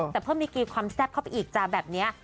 แต่เพิ่มดีกีความแซ่บเข้าไปอีกจ้ะแบบนี้